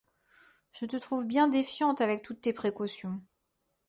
Je te trouve bien défiante avec toutes tes précautions.